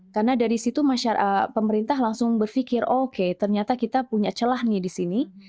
karena dari situ masyarakat pemerintah langsung berpikir oke ternyata kita punya celah nih disini